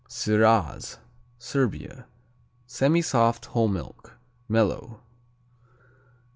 Siraz Serbia Semisoft; whole milk. Mellow.